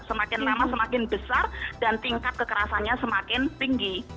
semakin lama semakin besar dan tingkat kekerasannya semakin tinggi